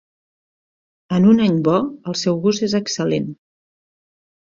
En un any bo, el seu gust és excel·lent.